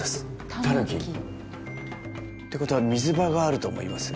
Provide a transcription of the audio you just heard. タヌキってことは水場があると思います